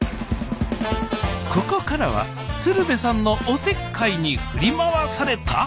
ここからは鶴瓶さんのおせっかいに振り回された？